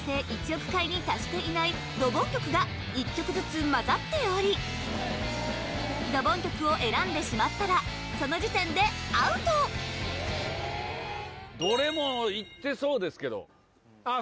１億回に達していないドボン曲が１曲ずつ混ざっておりドボン曲を選んでしまったらその時点でアウトどれもいってそうですけどあ